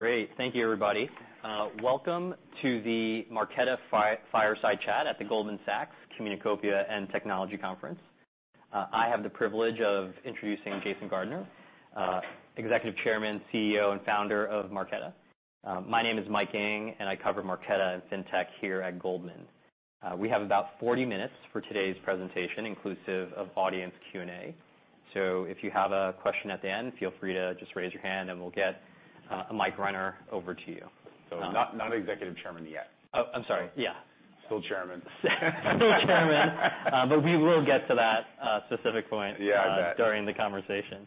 Great. Thank you, everybody. Welcome to the Marqeta Fireside Chat at the Goldman Sachs Communacopia and Technology Conference. I have the privilege of introducing Jason Gardner, Executive Chairman, CEO, and founder of Marqeta. My name is Mike Ng, and I cover Marqeta and fintech here at Goldman. We have about 40 minutes for today's presentation, inclusive of audience Q&A. If you have a question at the end, feel free to just raise your hand, and we'll get a mic runner over to you. Not executive chairman yet. Oh, I'm sorry. Yeah. Still chairman. Still chairman. We will get to that specific point. Yeah, I bet. During the conversation.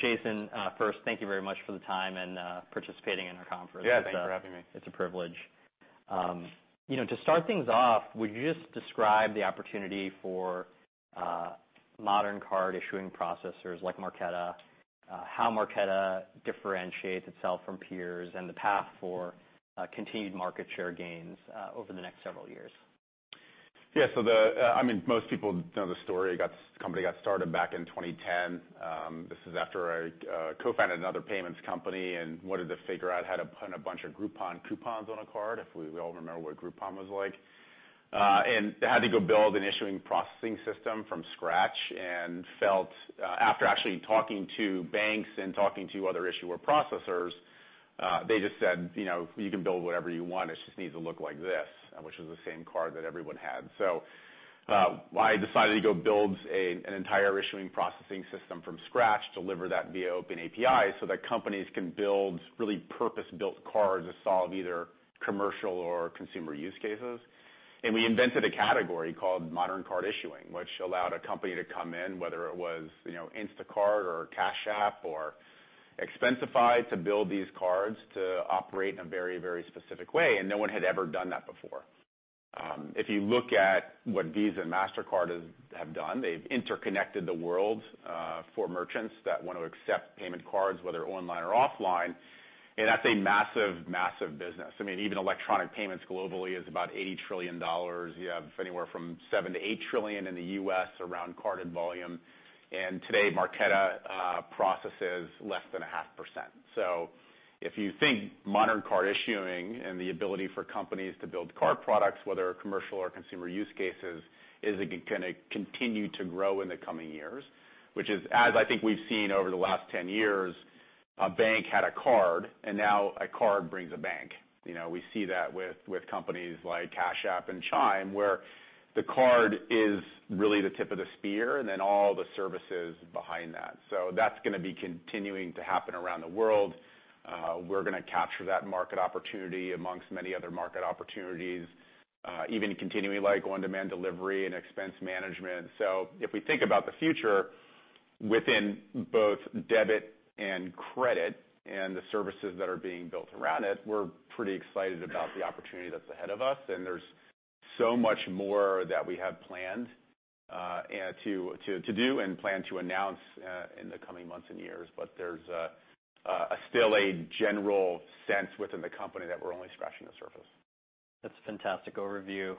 Jason, first, thank you very much for the time and participating in our conference. Yeah, thanks for having me. It's a privilege. You know, to start things off, would you just describe the opportunity for modern card issuing processors like Marqeta, how Marqeta differentiates itself from peers and the path for continued market share gains over the next several years? Yeah. The, I mean, most people know the story. The company got started back in 2010. This is after I co-founded another payments company and wanted to figure out how to put a bunch of Groupon coupons on a card, if we all remember what Groupon was like. I had to go build an issuing processing system from scratch and felt, after actually talking to banks and talking to other issuer processors, they just said, you know, "You can build whatever you want. It just needs to look like this," which is the same card that everyone had. I decided to go build an entire issuing processing system from scratch, deliver that via open API so that companies can build really purpose-built cards to solve either commercial or consumer use cases. We invented a category called modern card issuing, which allowed a company to come in, whether it was, you know, Instacart or Cash App or Expensify, to build these cards to operate in a very, very specific way. No one had ever done that before. If you look at what Visa and Mastercard have done, they've interconnected the world for merchants that want to accept payment cards, whether online or offline. That's a massive business. I mean, even electronic payments globally is about $80 trillion. You have anywhere from $7 trillion to $8 trillion in the US around card volume. Today, Marqeta processes less than 0.5%. If you think modern card issuing and the ability for companies to build card products, whether commercial or consumer use cases, is gonna continue to grow in the coming years, which is as I think we've seen over the last 10 years, a bank had a card, and now a card brings a bank. You know, we see that with companies like Cash App and Chime, where the card is really the tip of the spear and then all the services behind that. That's gonna be continuing to happen around the world. We're gonna capture that market opportunity amongst many other market opportunities, even continuing like on-demand delivery and expense management. If we think about the future within both debit and credit and the services that are being built around it, we're pretty excited about the opportunity that's ahead of us. There's so much more that we have planned, and to do and plan to announce in the coming months and years. There's still a general sense within the company that we're only scratching the surface. That's a fantastic overview.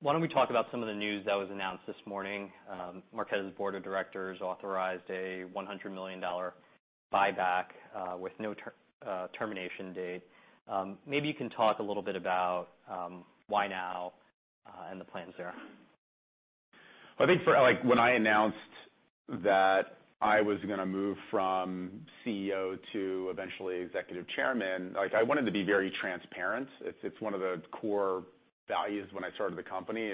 Why don't we talk about some of the news that was announced this morning? Marqeta's board of directors authorized a $100 million buyback, with no termination date. Maybe you can talk a little bit about why now and the plans there. I think for, like, when I announced that I was gonna move from CEO to eventually executive chairman, like, I wanted to be very transparent. It's one of the core values when I started the company.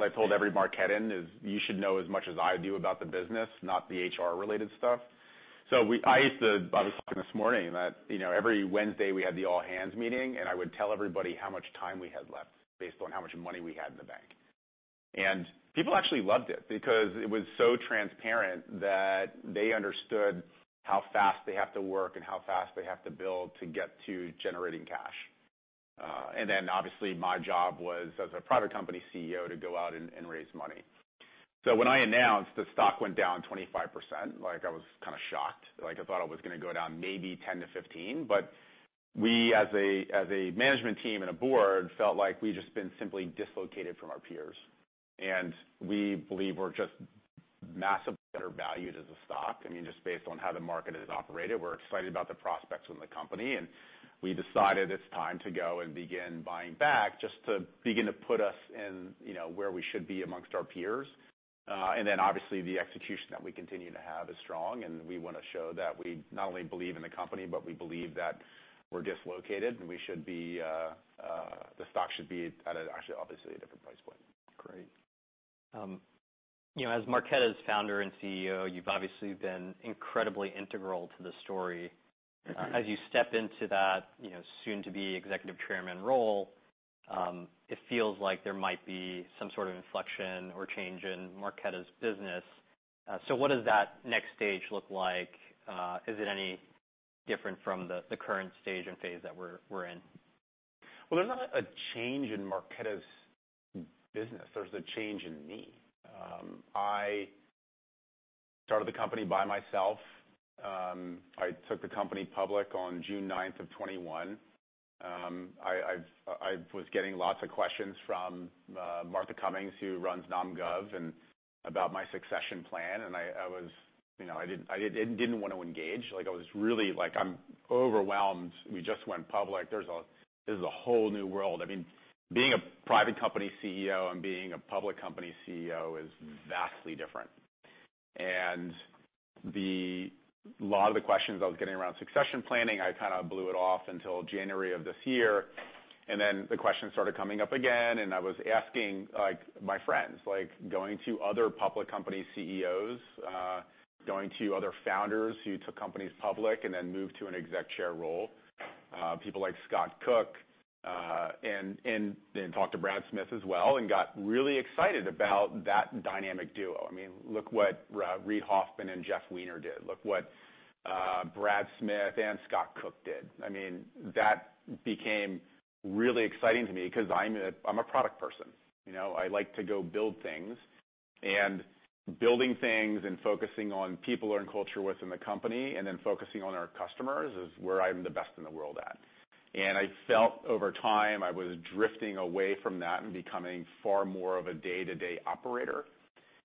I told every Marqetan, "You should know as much as I do about the business, not the HR-related stuff." I used to. I was talking this morning. That, you know, every Wednesday we had the all hands meeting, and I would tell everybody how much time we had left based on how much money we had in the bank. People actually loved it because it was so transparent that they understood how fast they have to work and how fast they have to build to get to generating cash. Obviously my job was as a private company CEO to go out and raise money. When I announced, the stock went down 25%. Like, I was kinda shocked. Like, I thought it was gonna go down maybe 10%-15%. We as a management team and a board felt like we'd just been simply dislocated from our peers. We believe we're just massively undervalued as a stock. I mean, just based on how the market has operated, we're excited about the prospects from the company, and we decided it's time to go and begin buying back just to begin to put us in, you know, where we should be amongst our peers. Obviously, the execution that we continue to have is strong, and we wanna show that we not only believe in the company, but we believe that we're dislocated, and the stock should be at a, actually, obviously, a different price point. Great. You know, as Marqeta's Founder and CEO, you've obviously been incredibly integral to the story. Mm-hmm. As you step into that, you know, soon to be executive chairman role, it feels like there might be some sort of inflection or change in Marqeta's business. So what does that next stage look like? Is it any different from the current stage and phase that we're in? Well, there's not a change in Marqeta's business. There's a change in me. I started the company by myself. I took the company public on June ninth of 2021. I was getting lots of questions from Martha Cummings, who runs NomGov, and about my succession plan. I was, you know, I didn't want to engage. Like, I was really like, I'm overwhelmed. We just went public. This is a whole new world. I mean, being a private company CEO and being a public company CEO is vastly different. A lot of the questions I was getting around succession planning, I kind of blew it off until January of this year. Then the question started coming up again, and I was asking, like, my friends, like going to other public company CEOs, going to other founders who took companies public and then moved to an exec chair role. People like Scott Cook, and then talked to Brad Smith as well and got really excited about that dynamic duo. I mean, look what Reid Hoffman and Jeff Weiner did. Look what Brad Smith and Scott Cook did. I mean, that became really exciting to me because I'm a product person. You know, I like to go build things. Building things and focusing on people and culture within the company and then focusing on our customers is where I'm the best in the world at. I felt over time I was drifting away from that and becoming far more of a day-to-day operator.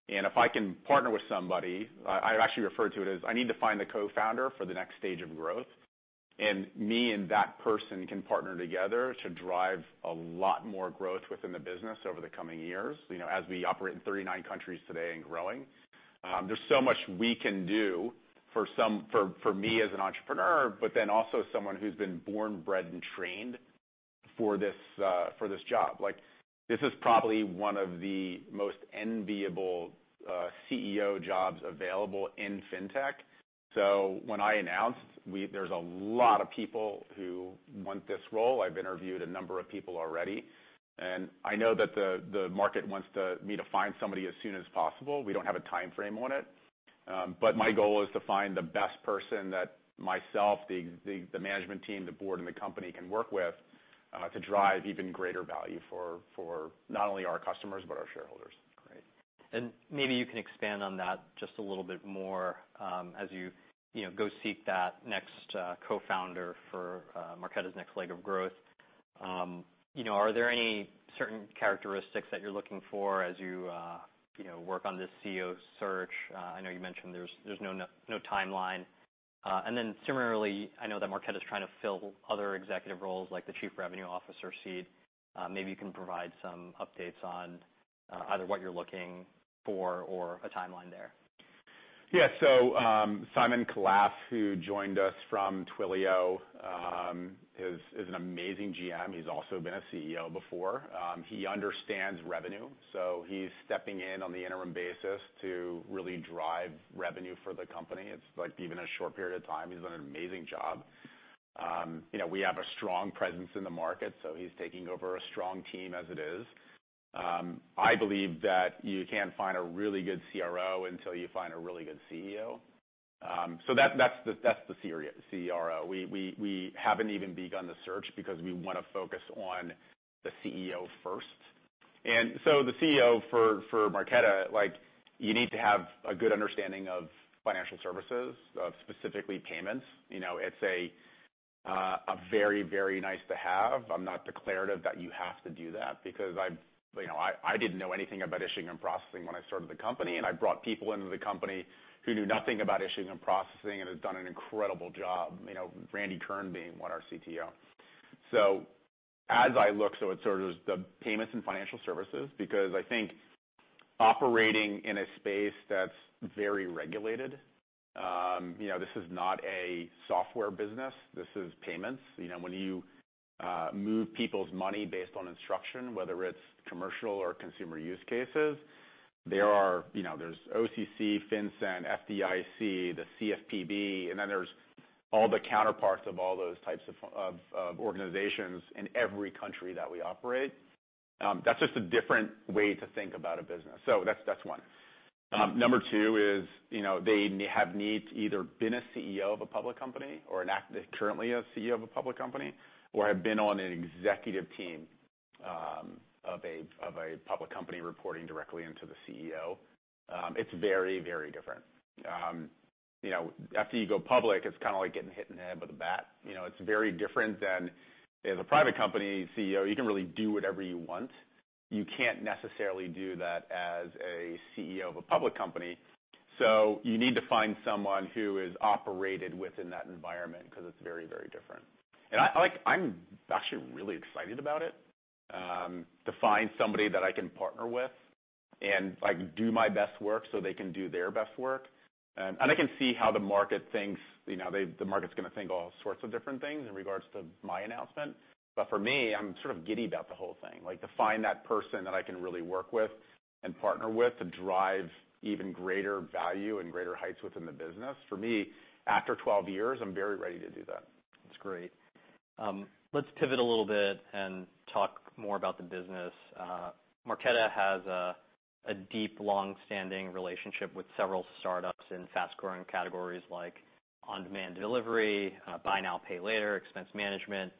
If I can partner with somebody, I actually refer to it as I need to find the co-founder for the next stage of growth, and me and that person can partner together to drive a lot more growth within the business over the coming years. As we operate in 39 countries today and growing, there's so much we can do for me as an entrepreneur, but then also someone who's been born, bred, and trained for this job. This is probably one of the most enviable CEO jobs available in fintech. When I announced there's a lot of people who want this role. I've interviewed a number of people already, and I know that the market wants me to find somebody as soon as possible. We don't have a time frame on it, but my goal is to find the best person that myself, the management team, the board, and the company can work with, to drive even greater value for not only our customers, but our shareholders. Great. Maybe you can expand on that just a little bit more, as you know, go seek that next co-founder for Marqeta's next leg of growth. You know, are there any certain characteristics that you're looking for as you know, work on this CEO search? I know you mentioned there's no timeline. Similarly, I know that Marqeta's trying to fill other executive roles like the chief revenue officer seat. Maybe you can provide some updates on either what you're looking for or a timeline there. Yeah. Simon Khalaf, who joined us from Twilio, is an amazing GM. He's also been a CEO before. He understands revenue, so he's stepping in on the interim basis to really drive revenue for the company. It's like even a short period of time, he's done an amazing job. You know, we have a strong presence in the market, so he's taking over a strong team as it is. I believe that you can't find a really good CRO until you find a really good CEO. So that's the serious CRO. We haven't even begun the search because we wanna focus on the CEO first. The CEO for Marqeta, like you need to have a good understanding of financial services, of specifically payments. You know, it's a very, very nice to have. I'm not declarative that you have to do that because I've you know, I didn't know anything about issuing and processing when I started the company, and I brought people into the company who knew nothing about issuing and processing and have done an incredible job. You know, Randy Kern being one, our CTO. As I look, it's sort of the payments and financial services because I think operating in a space that's very regulated, you know, this is not a software business. This is payments. You know, when you move people's money based on instruction, whether it's commercial or consumer use cases, there are, you know, there's OCC, FinCEN, FDIC, the CFPB, and then there's all the counterparts of all those types of organizations in every country that we operate. That's just a different way to think about a business. That's one. Number two is they have either been a CEO of a public company or are currently a CEO of a public company, or have been on an executive team of a public company reporting directly into the CEO. It's very, very different. After you go public, it's kinda like getting hit in the head with a bat. It's very different than as a private company CEO, you can really do whatever you want. You can't necessarily do that as a CEO of a public company. You need to find someone who has operated within that environment because it's very, very different. I, like, I'm actually really excited about it to find somebody that I can partner with and I can do my best work so they can do their best work. I can see how the market thinks. You know, they, the market's gonna think all sorts of different things in regards to my announcement. For me, I'm sort of giddy about the whole thing. Like, to find that person that I can really work with and partner with to drive even greater value and greater heights within the business. For me, after 12 years, I'm very ready to do that. That's great. Let's pivot a little bit and talk more about the business. Marqeta has a deep, long-standing relationship with several startups in fast-growing categories like on-demand delivery, buy now, pay later, expense management.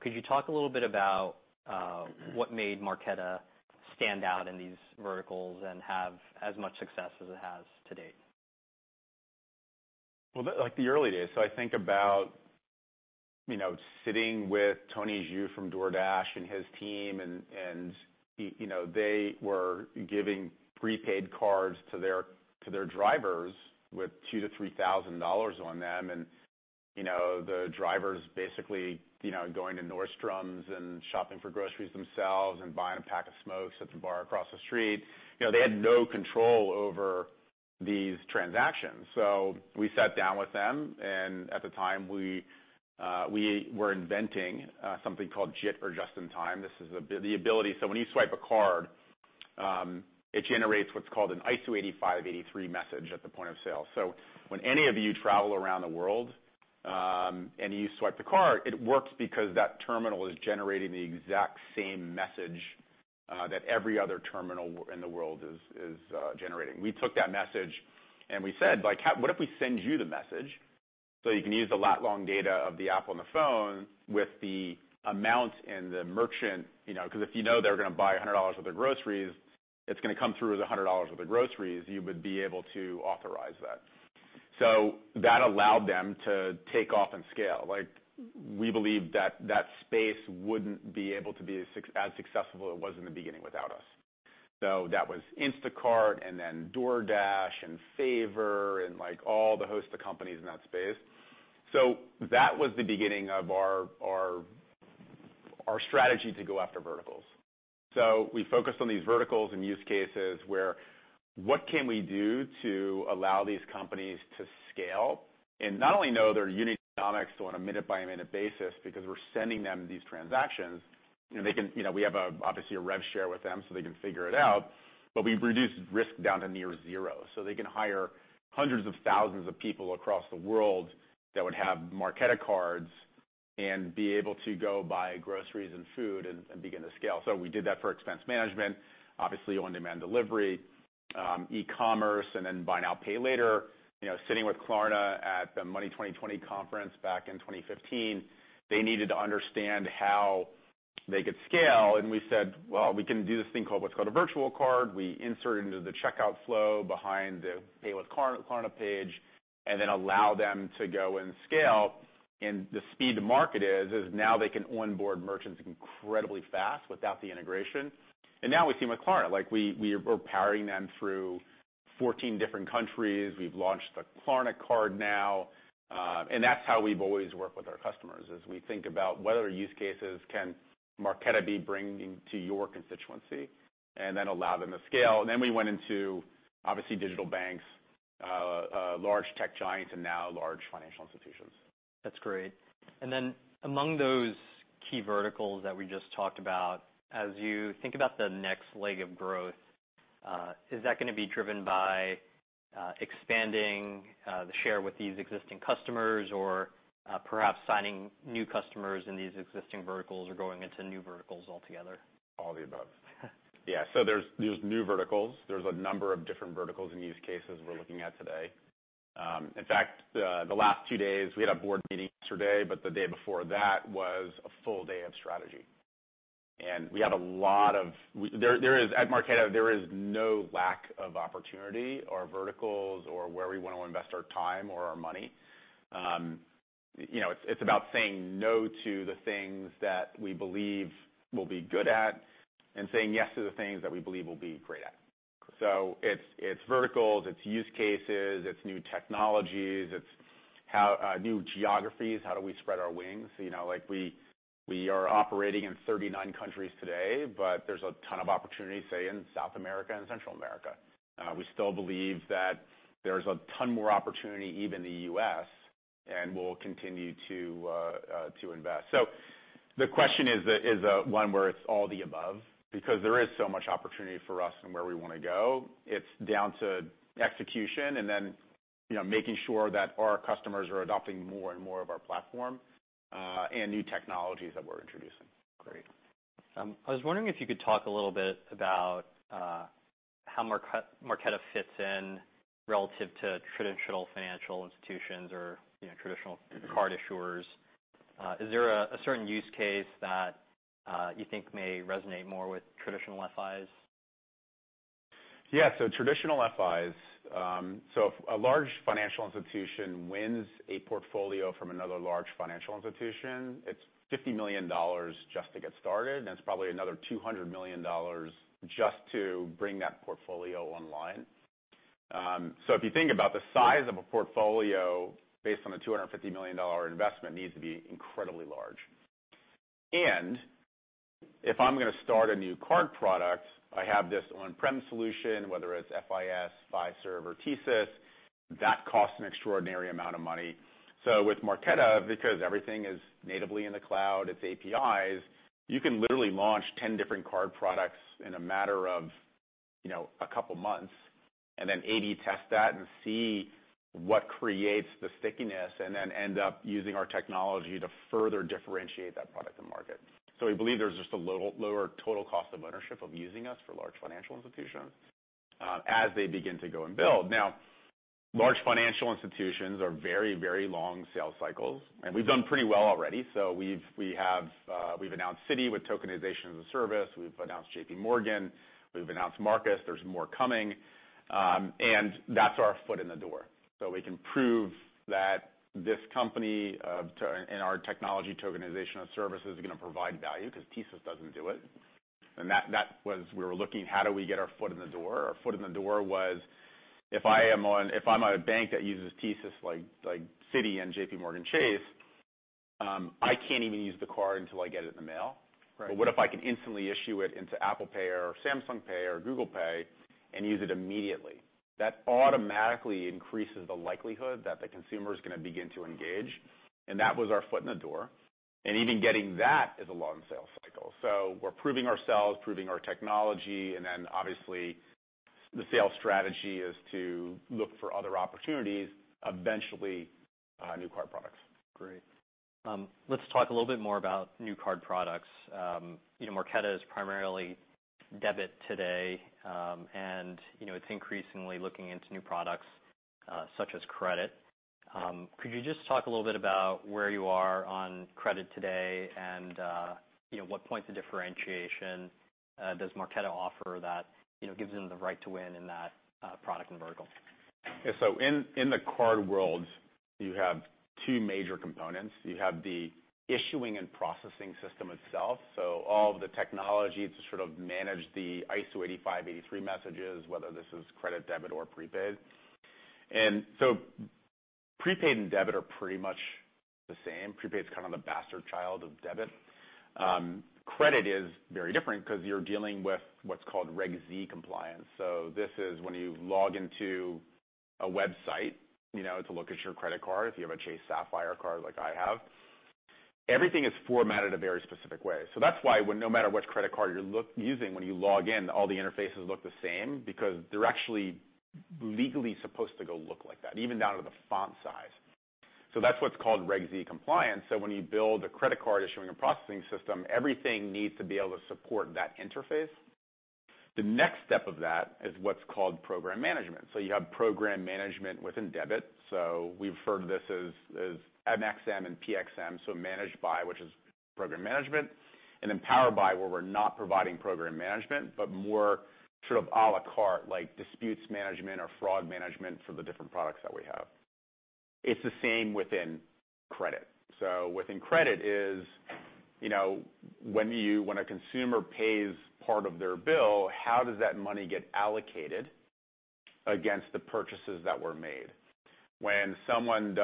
Could you talk a little bit about what made Marqeta stand out in these verticals and have as much success as it has to date? Well, like the early days. I think about, you know, sitting with Tony Xu from DoorDash and his team, and they were giving prepaid cards to their drivers with $2,000-$3,000 on them. You know, the drivers basically, you know, going to Nordstrom and shopping for groceries themselves and buying a pack of smokes at the bar across the street. You know, they had no control over these transactions. We sat down with them, and at the time, we were inventing something called JIT or just-in-time. This is the ability. When you swipe a card, it generates what's called an ISO 8583 message at the point of sale. When any of you travel around the world, and you swipe the card, it works because that terminal is generating the exact same message, that every other terminal in the world is generating. We took that message, and we said, like, what if we send you the message so you can use the lat-long data of the app on the phone with the amount and the merchant, you know. 'Cause if you know they're gonna buy $100 worth of groceries, it's gonna come through as $100 worth of groceries, you would be able to authorize that. That allowed them to take off and scale. We believe that space wouldn't be able to be as successful as it was in the beginning without us. That was Instacart, and then DoorDash, and Favor, and, like, all the host of companies in that space. That was the beginning of our strategy to go after verticals. We focused on these verticals and use cases where what can we do to allow these companies to scale, and not only know their unit economics on a minute-by-minute basis because we're sending them these transactions. You know, they can, you know, we have a, obviously, a rev share with them so they can figure it out. But we've reduced risk down to near zero, so they can hire hundreds of thousands of people across the world that would have Marqeta cards and be able to go buy groceries and food and begin to scale. We did that for expense management, obviously on-demand delivery, e-commerce, and then buy now, pay later. You know, sitting with Klarna at the Money20/20 conference back in 2015, they needed to understand how they could scale. We said, "Well, we can do this thing called a virtual card. We insert into the checkout flow behind the Pay with Klarna page, and then allow them to go and scale." The speed to market is now they can onboard merchants incredibly fast without the integration. Now we've seen with Klarna, like we are powering them through 14 different countries. We've launched the Klarna card now. That's how we've always worked with our customers, is we think about what other use cases can Marqeta be bringing to your constituency, and then allow them to scale. Then we went into, obviously, digital banks, large tech giants, and now large financial institutions. That's great. Among those key verticals that we just talked about, as you think about the next leg of growth, is that gonna be driven by expanding the share with these existing customers or perhaps signing new customers in these existing verticals or going into new verticals altogether? All the above. Yeah. There's new verticals. There's a number of different verticals and use cases we're looking at today. In fact, the last two days, we had a board meeting yesterday, but the day before that was a full day of strategy. We had a lot of. There is no lack of opportunity or verticals or where we wanna invest our time or our money. You know, it's about saying no to the things that we believe we'll be good at and saying yes to the things that we believe we'll be great at. It's verticals, it's use cases, it's new technologies, new geographies, how do we spread our wings. You know, like, we are operating in 39 countries today, but there's a ton of opportunity, say, in South America and Central America. We still believe that there's a ton more opportunity even in the U.S., and we'll continue to invest. The question is one where it's all the above because there is so much opportunity for us and where we wanna go. It's down to execution, and then, you know, making sure that our customers are adopting more and more of our platform and new technologies that we're introducing. Great. I was wondering if you could talk a little bit about how Marqeta fits in relative to traditional financial institutions or, you know, traditional card issuers. Is there a certain use case that you think may resonate more with traditional FIs? Yeah. Traditional FIs. If a large financial institution wins a portfolio from another large financial institution, it's $50 million just to get started, and it's probably another $200 million just to bring that portfolio online. If you think about the size of a portfolio based on a $250 million investment needs to be incredibly large. If I'm gonna start a new card product, I have this on-prem solution, whether it's FIS, Fiserv, or TSYS, that costs an extraordinary amount of money. With Marqeta, because everything is natively in the cloud, it's APIs, you can literally launch 10 different card products in a matter of, you know, a couple months, and then A/B test that and see what creates the stickiness, and then end up using our technology to further differentiate that product to market. We believe there's just a lower total cost of ownership of using us for large financial institutions, as they begin to go and build. Now, large financial institutions are very, very long sales cycles, and we've done pretty well already. We've announced Citi with Tokenization as a Service. We've announced JP Morgan. We've announced Marcus. There's more coming. That's our foot in the door. We can prove that this company and our Tokenization as a Service is gonna provide value because TSYS doesn't do it. That was. We were looking how do we get our foot in the door. Our foot in the door was, if I'm a bank that uses TSYS like Citi and JPMorgan Chase, I can't even use the card until I get it in the mail. Right. What if I could instantly issue it into Apple Pay or Samsung Pay or Google Pay and use it immediately? That automatically increases the likelihood that the consumer is gonna begin to engage, and that was our foot in the door. Even getting that is a long sales cycle. We're proving ourselves, proving our technology, and then obviously the sales strategy is to look for other opportunities, eventually, new card products. Great. Let's talk a little bit more about new card products. You know, Marqeta is primarily debit today, and, you know, it's increasingly looking into new products, such as credit. Could you just talk a little bit about where you are on credit today and, you know, what points of differentiation does Marqeta offer that, you know, gives them the right to win in that, product and vertical? Yeah. In the card world, you have two major components. You have the issuing and processing system itself. All of the technology to sort of manage the ISO 8583 messages, whether this is credit, debit or prepaid. Prepaid and debit are pretty much the same. Prepaid is kind of the bastard child of debit. Credit is very different 'cause you're dealing with what's called Reg Z compliance. This is when you log into a website, you know, to look at your credit card, if you have a Chase Sapphire card like I have, everything is formatted a very specific way. That's why when no matter which credit card you're using when you log in, all the interfaces look the same because they're actually legally supposed to go look like that, even down to the font size. That's what's called Reg Z compliance. When you build a credit card issuing and processing system, everything needs to be able to support that interface. The next step of that is what's called program management. You have program management within debit. We refer to this as MxM and PxM, managed by, which is program management, and then powered by, where we're not providing program management, but more sort of a la carte, like Disputes Management or fraud management for the different products that we have. It's the same within credit. Within credit is, you know, when a consumer pays part of their bill, how does that money get allocated against the purchases that were made? When someone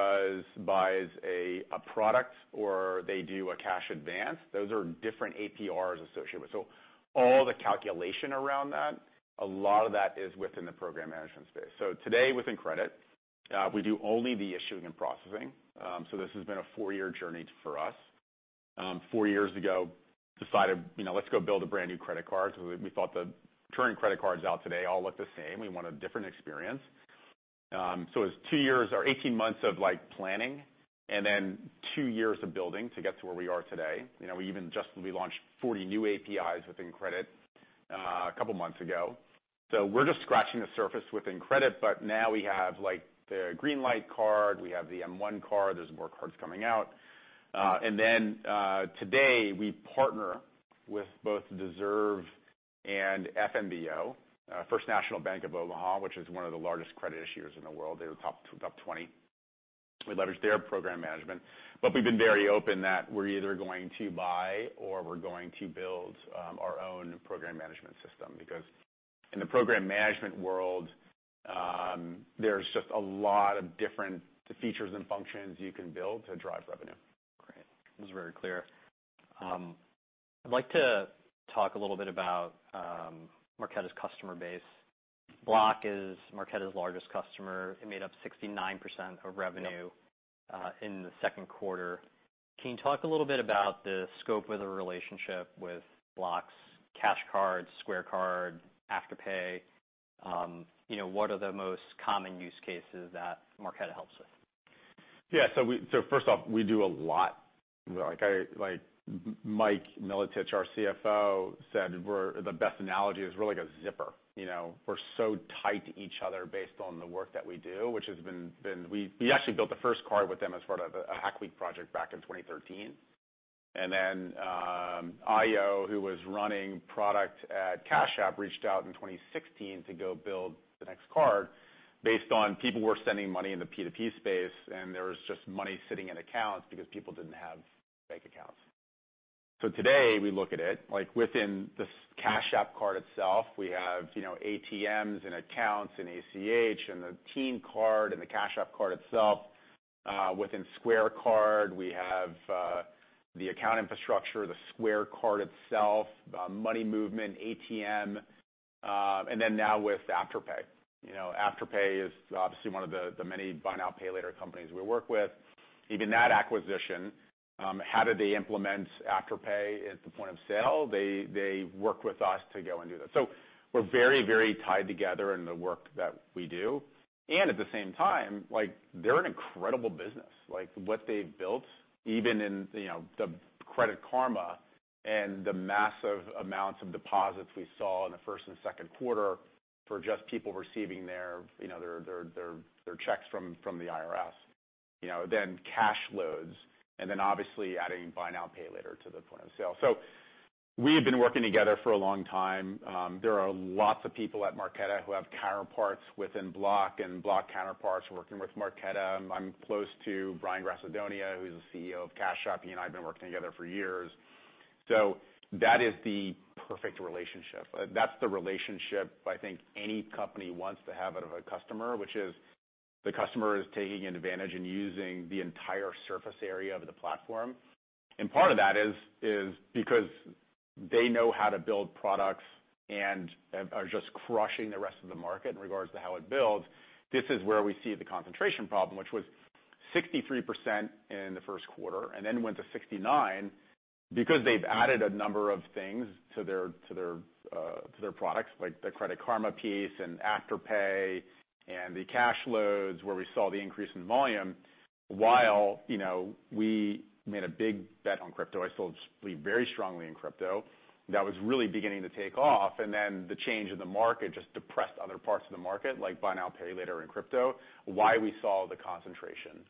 buys a product or they do a cash advance, those are different APRs associated with. All the calculation around that, a lot of that is within the program management space. Today, within credit, we do only the issuing and processing. This has been a four-year journey for us. Four years ago, decided, you know, let's go build a brand new credit card. We thought the current credit cards out today all look the same. We want a different experience. It's two years or 18 months of like planning and then two years of building to get to where we are today. You know, we even just, we launched 40 new APIs within credit, a couple months ago. We're just scratching the surface within credit, but now we have like the Greenlight card, we have the M1 card, there's more cards coming out. Today we partner with both Deserve and FNBO, First National Bank of Omaha, which is one of the largest credit issuers in the world. They're top 20. We leverage their program management. We've been very open that we're either going to buy or we're going to build our own program management system because in the program management world, there's just a lot of different features and functions you can build to drive revenue. Great. That was very clear. I'd like to talk a little bit about Marqeta's customer base. Block is Marqeta's largest customer. It made up 69% of revenue. Yep. In the Q2. Can you talk a little bit about the scope of the relationship with Block's Cash Card, Square Card, Afterpay? You know, what are the most common use cases that Marqeta helps with? Yeah. First off, we do a lot. Like Mike Milotich, our CFO, said, the best analogy is we're like a zipper. You know, we're so tied to each other based on the work that we do, which has been. We actually built the first card with them as part of a Hack Week project back in 2013. IO, who was running product at Cash App, reached out in 2016 to go build the next card based on people sending money in the P2P space, and there was just money sitting in accounts because people didn't have bank accounts. Today we look at it like, within the Cash App card itself, we have, you know, ATMs and accounts and ACH and the Cash Card and the Cash App card itself. Within Square Card, we have the account infrastructure, the Square Card itself, money movement, ATM, and then now with Afterpay. You know, Afterpay is obviously one of the many buy now, pay later companies we work with. Even that acquisition, how did they implement Afterpay at the point of sale? They worked with us to go and do that. So we're very, very tied together in the work that we do. At the same time, like, they're an incredible business. Like what they've built, even in, you know, the Credit Karma and the massive amounts of deposits we saw in the first and Q2 for just people receiving their checks from the IRS, you know. Then cash loads, and then obviously adding buy now, pay later to the point of sale. We have been working together for a long time. There are lots of people at Marqeta who have counterparts within Block, and Block counterparts working with Marqeta. I'm close to Brian Grassadonia, who's the CEO of Cash App. He and I have been working together for years. That is the perfect relationship. That's the relationship I think any company wants to have out of a customer, which is the customer is taking advantage and using the entire surface area of the platform. Part of that is because they know how to build products and are just crushing the rest of the market in regards to how it builds. This is where we see the concentration problem, which was 63% in the Q1, and then went to 69% because they've added a number of things to their products, like the Credit Karma piece and Afterpay and the Cash App, where we saw the increase in volume. While, you know, we made a big bet on crypto, I still believe very strongly in crypto. That was really beginning to take off, and then the change in the market just depressed other parts of the market, like buy now, pay later and crypto. Why we saw the concentration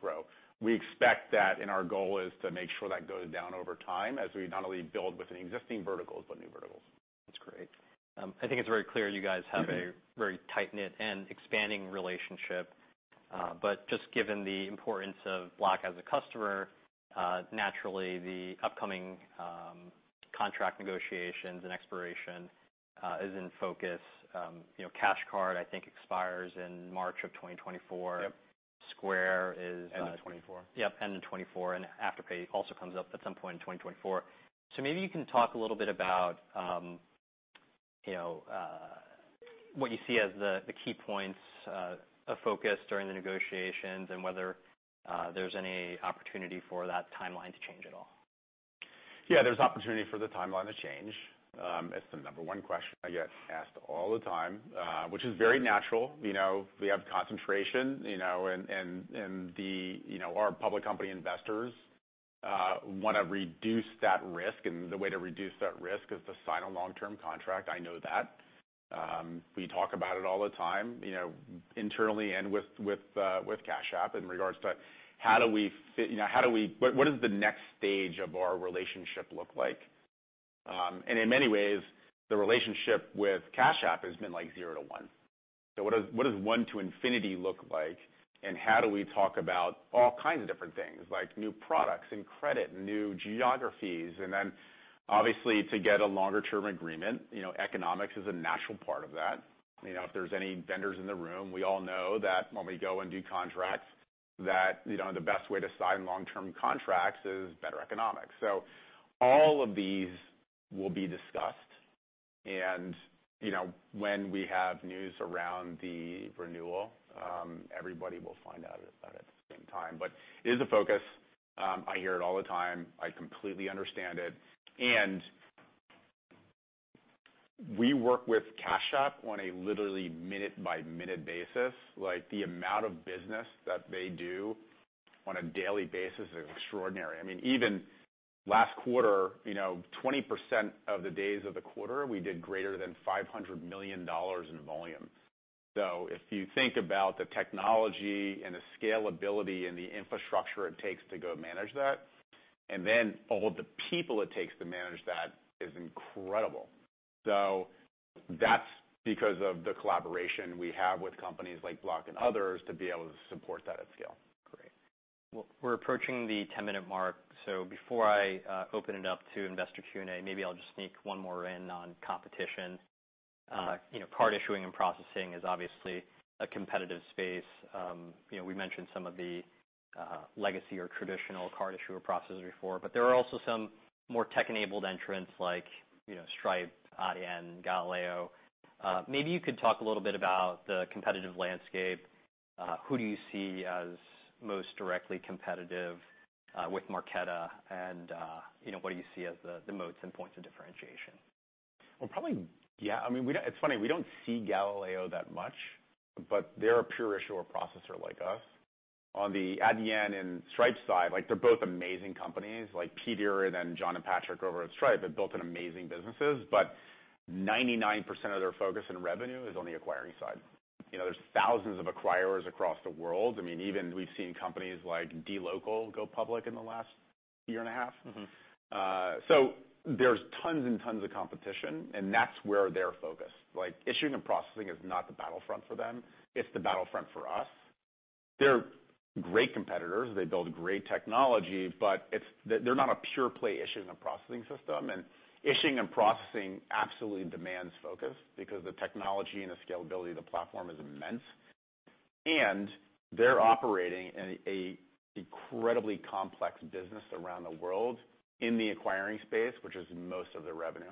grow. We expect that and our goal is to make sure that goes down over time as we not only build within the existing verticals, but new verticals. That's great. I think it's very clear you guys have a very tight-knit and expanding relationship. Just given the importance of Block as a customer, naturally the upcoming contract negotiations and expiration is in focus. You know, Cash Card, I think, expires in March of 2024. Yep. Square is. End of 2024. Yep, end of 2024, and Afterpay also comes up at some point in 2024. Maybe you can talk a little bit about, you know, what you see as the key points of focus during the negotiations and whether there's any opportunity for that timeline to change at all. Yeah, there's opportunity for the timeline to change. It's the number one question I get asked all the time, which is very natural. You know, we have concentration, you know, and the, you know, our public company investors wanna reduce that risk, and the way to reduce that risk is to sign a long-term contract. I know that. We talk about it all the time, you know, internally and with Cash App in regards to what does the next stage of our relationship look like. You know, in many ways, the relationship with Cash App has been like zero to one. What does one to infinity look like, and how do we talk about all kinds of different things, like new products and credit, new geographies? Obviously to get a longer-term agreement, you know, economics is a natural part of that. You know, if there's any vendors in the room, we all know that when we go and do contracts that, you know, the best way to sign long-term contracts is better economics. All of these will be discussed. You know, when we have news around the renewal, everybody will find out about it at the same time. It is a focus. I hear it all the time. I completely understand it. We work with Cash App on a literally minute-by-minute basis. Like, the amount of business that they do on a daily basis is extraordinary. I mean, even last quarter, you know, 20% of the days of the quarter we did greater than $500 million in volume. If you think about the technology and the scalability and the infrastructure it takes to go manage that, and then all the people it takes to manage that is incredible. That's because of the collaboration we have with companies like Block and others to be able to support that at scale. Great. We're approaching the 10-minute mark, so before I open it up to investor Q&A, maybe I'll just sneak one more in on competition. Okay. You know, card issuing and processing is obviously a competitive space. You know, we mentioned some of the legacy or traditional card issuer processors before, but there are also some more tech-enabled entrants like, you know, Stripe, Adyen, Galileo. Maybe you could talk a little bit about the competitive landscape. Who do you see as most directly competitive with Marqeta? And you know, what do you see as the moats and points of differentiation? Well, probably, yeah, I mean, we don't. It's funny, we don't see Galileo that much, but they're a pure issuer processor like us. On the Adyen and Stripe side, like they're both amazing companies. Like Peter and John and Patrick over at Stripe have built an amazing businesses, but 99% of their focus and revenue is on the acquiring side. You know, there's thousands of acquirers across the world. I mean, even we've seen companies like dLocal go public in the last year and a half. Mm-hmm. There's tons and tons of competition, and that's where they're focused. Like, issuing and processing is not the battlefront for them, it's the battlefront for us. They're great competitors. They build great technology, but they're not a pure play issuing and processing system. Issuing and processing absolutely demands focus because the technology and the scalability of the platform is immense. They're operating in an incredibly complex business around the world in the acquiring space, which is most of their revenue.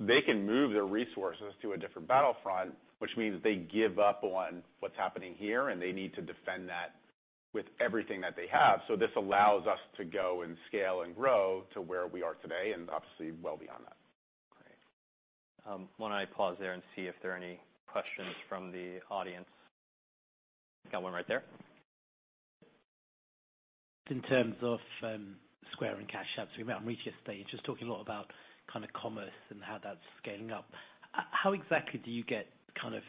They can move their resources to a different battlefront, which means they give up on what's happening here, and they need to defend that with everything that they have. This allows us to go and scale and grow to where we are today, and obviously well beyond that. Why don't I pause there and see if there are any questions from the audience. Got one right there. In terms of Square and Cash App. You might want me to just say, you're just talking a lot about kind of commerce and how that's scaling up. How exactly do you get kind of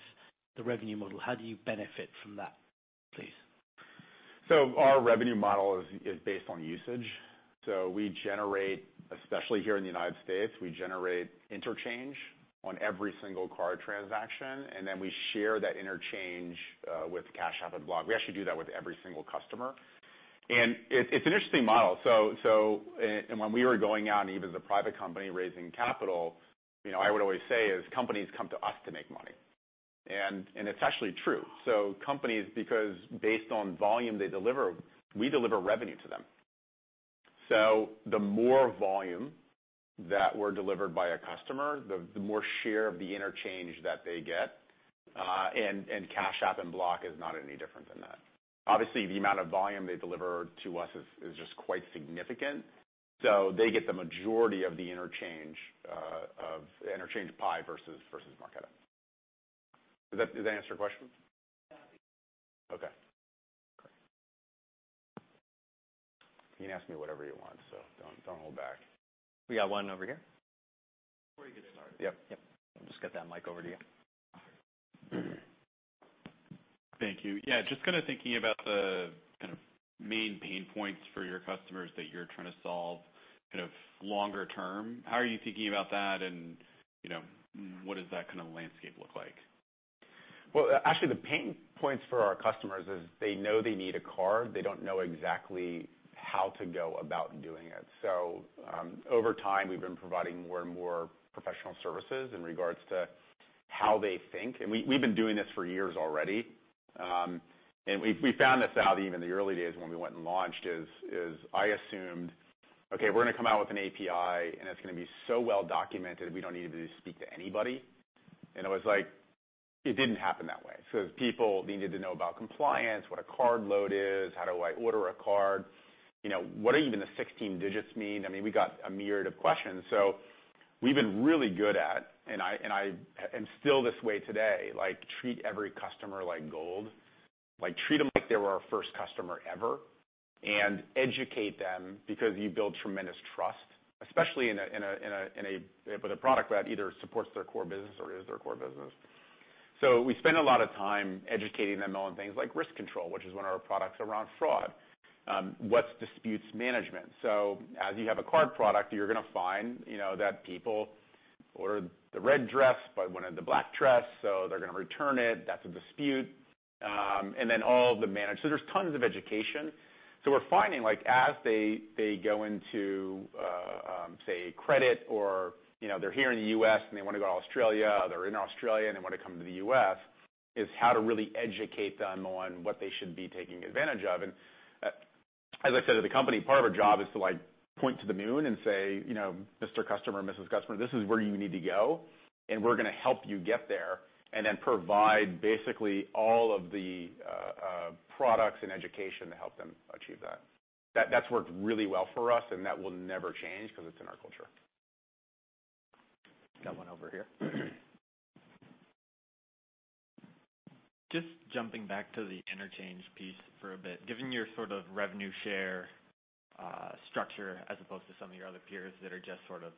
the revenue model? How do you benefit from that, please? Our revenue model is based on usage. We generate, especially here in the United States, we generate interchange on every single card transaction, and then we share that interchange with Cash App and Block. We actually do that with every single customer. It's an interesting model. When we were going out and even as a private company raising capital, you know, I would always say companies come to us to make money. It's actually true. Companies, because based on volume they deliver, we deliver revenue to them. The more volume that were delivered by a customer, the more share of the interchange that they get, and Cash App and Block is not any different than that. Obviously, the amount of volume they deliver to us is just quite significant, so they get the majority of the interchange pie versus Marqeta. Does that answer your question? Yeah. Okay. You can ask me whatever you want, so don't hold back. We got one over here. Before you get started. Yep, yep. I'll just get that mic over to you. Thank you. Yeah, just kinda thinking about the kind of main pain points for your customers that you're trying to solve kind of longer term, how are you thinking about that and, you know, what does that kinda landscape look like? Well, actually the pain points for our customers is they know they need a card. They don't know exactly how to go about doing it. Over time, we've been providing more and more professional services in regards to how they think. We've been doing this for years already. We found this out even in the early days when we went and launched. I assumed, okay, we're gonna come out with an API, and it's gonna be so well documented, we don't need to speak to anybody. It was like, it didn't happen that way. People needed to know about compliance, what a card load is, how do I order a card, you know, what are even the 16 digits mean? I mean, we got a myriad of questions. We've been really good at, and I am still this way today, like treat every customer like gold. Like, treat them like they were our first customer ever, and educate them because you build tremendous trust, especially with a product that either supports their core business or is their core business. We spend a lot of time educating them on things like RiskControl, which is one of our products around fraud. What's Disputes Management? As you have a card product, you're gonna find, you know, that people ordered the red dress but wanted the black dress, so they're gonna return it. That's a dispute. And then there's tons of education. We're finding, like, as they go into, say, credit or, you know, they're here in the U.S. and they wanna go to Australia, or they're in Australia and they wanna come to the U.S., is how to really educate them on what they should be taking advantage of. As I said to the company, part of our job is to, like, point to the moon and say, you know, "Mr. Customer, Mrs. Customer, this is where you need to go, and we're gonna help you get there," and then provide basically all of the products and education to help them achieve that. That's worked really well for us and that will never change 'cause it's in our culture. Got one over here. Just jumping back to the interchange piece for a bit. Given your sort of revenue share structure as opposed to some of your other peers that are just sort of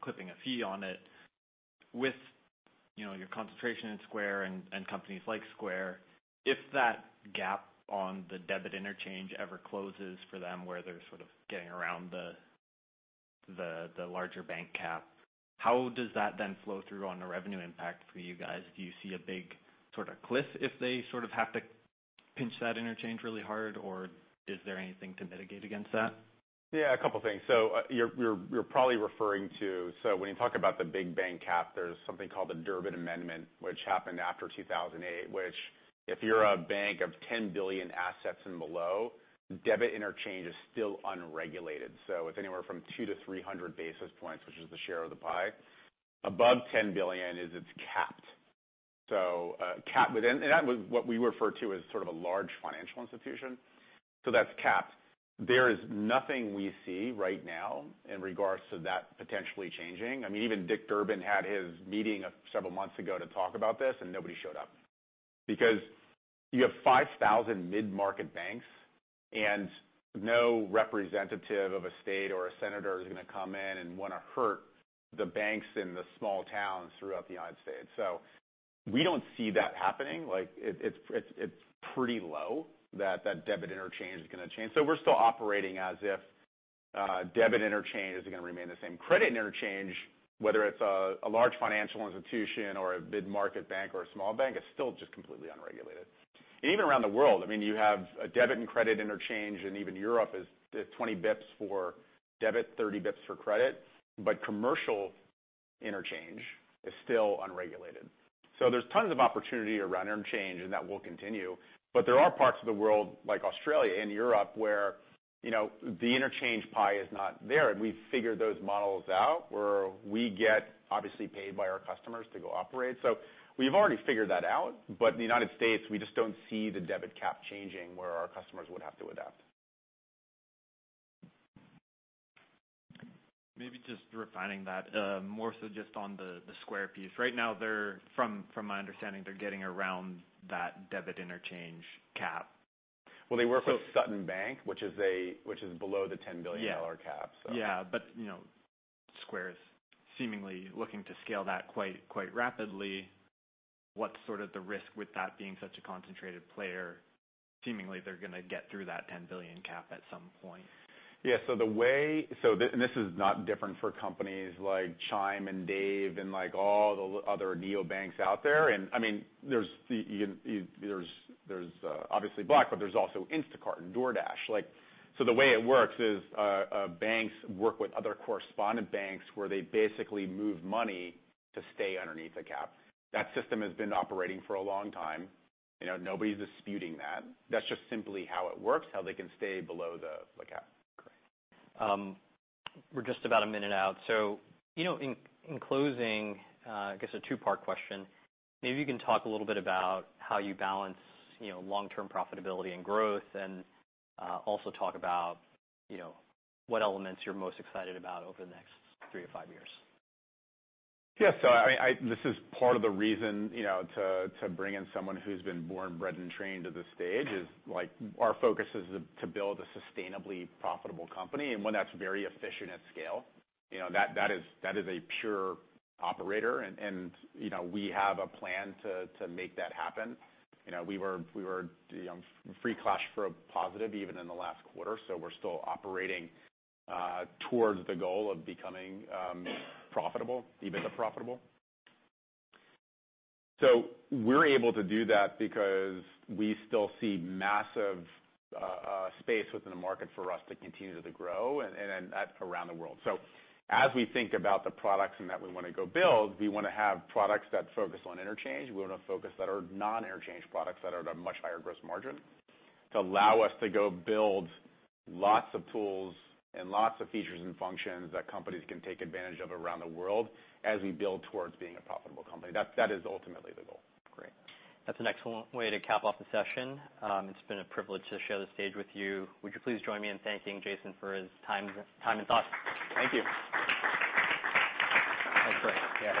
clipping a fee on it, with, you know, your concentration in Square and companies like Square, if that gap on the debit interchange ever closes for them where they're sort of getting around the larger bank cap, how does that then flow through on the revenue impact for you guys? Do you see a big sort of cliff if they sort of have to pinch that interchange really hard or is there anything to mitigate against that? Yeah, a couple things. When you talk about the big bank cap, there's something called the Durbin Amendment, which happened after 2008, which if you're a bank of $10 billion assets and below, debit interchange is still unregulated. It's anywhere from 200-300 basis points, which is the share of the pie. Above $10 billion, it's capped. Capped within. That was what we refer to as sort of a large financial institution. That's capped. There is nothing we see right now in regards to that potentially changing. I mean, even Dick Durbin had his meeting of several months ago to talk about this, and nobody showed up. Because you have 5,000 mid-market banks and no representative of a state or a senator is gonna come in and wanna hurt the banks in the small towns throughout the United States. We don't see that happening. Like it's pretty low that debit interchange is gonna change. We're still operating as if debit interchange is gonna remain the same. Credit interchange, whether it's a large financial institution or a mid-market bank or a small bank, is still just completely unregulated. Even around the world, I mean, you have a debit and credit interchange, and even Europe is 20 basis points for debit, 30 basis points for credit, but commercial interchange is still unregulated. There's tons of opportunity around interchange, and that will continue. There are parts of the world like Australia and Europe where, you know, the interchange pie is not there. We've figured those models out where we get obviously paid by our customers to go operate. We've already figured that out, but in the United States, we just don't see the debit cap changing where our customers would have to adapt. Maybe just refining that, more so just on the Square piece. Right now, from my understanding, they're getting around that debit interchange cap. Well, they work with Sutton Bank, which is below the $10 billion cap, so. Yeah. Yeah, you know, Square is seemingly looking to scale that quite rapidly. What's sort of the risk with that being such a concentrated player? Seemingly they're gonna get through that 10 billion cap at some point. This is not different for companies like Chime and Dave and, like, all the other neobanks out there. I mean, there's, you know, obviously Block, but there's also Instacart and DoorDash. Like, the way it works is, banks work with other correspondent banks where they basically move money to stay underneath the cap. That system has been operating for a long time. You know, nobody's disputing that. That's just simply how it works, how they can stay below the cap. Correct. We're just about a minute out. In closing, I guess a two-part question. Maybe you can talk a little bit about how you balance, you know, long-term profitability and growth, and also talk about, you know, what elements you're most excited about over the next three to five years. Yeah. This is part of the reason, you know, to bring in someone who's been born, bred, and trained to the stage. Like, our focus is to build a sustainably profitable company, and one that's very efficient at scale. You know, that is a pure operator, and we have a plan to make that happen. You know, we were free cash flow positive even in the last quarter, so we're still operating towards the goal of becoming profitable, EBITDA profitable. We're able to do that because we still see massive space within the market for us to continue to grow and around the world. As we think about the products and that we wanna go build, we wanna have products that focus on interchange. We wanna focus on those that are non-interchange products that are at a much higher gross margin to allow us to go build lots of tools and lots of features and functions that companies can take advantage of around the world as we build towards being a profitable company. That is ultimately the goal. Great. That's an excellent way to cap off the session. It's been a privilege to share the stage with you. Would you please join me in thanking Jason for his time and thought? Thank you. That was great. Yeah.